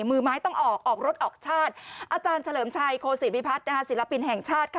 มือไม้ต้องออกออกรถออกชาติอาจารย์เฉลิมชัยโคศิวิพัฒน์ศิลปินแห่งชาติค่ะ